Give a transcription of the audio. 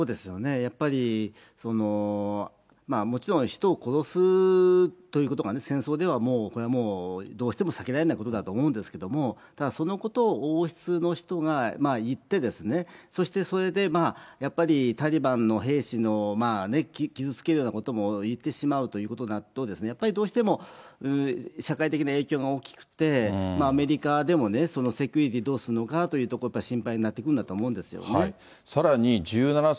やっぱり、もちろん人を殺すということがね、戦争ではこれはもう、どうしても避けられないことだと思うんですけど、ただそのことを王室の人が言って、そしてそれでやっぱりタリバンの兵士を傷つけるようなことも言ってしまうということになると、やっぱりどうしても、社会的な影響が大きくて、アメリカでもそのセキュリティーどうするのかなというところが心配になってくるんだと思うんですよね。